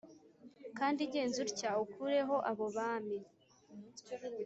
Kandi genza utya ukureho abo bami